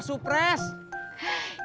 supres ya udah